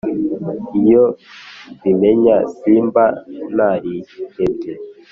iyo mbimenya simba ntarihebye